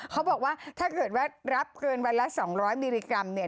เขาบอกว่าถ้าเกิดว่ารับเกินวันละ๒๐๐มิลลิกรัมเนี่ย